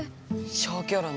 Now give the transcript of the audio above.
消去炉に。